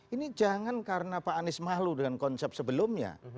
ini jangan karena pak anies malu dengan konsep sebelumnya